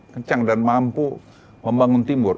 kencang dan mampu membangun timur